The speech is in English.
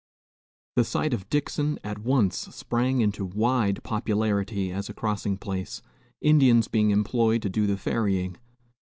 The site of Dixon at once sprang into wide popularity as a crossing place, Indians being employed to do the ferrying.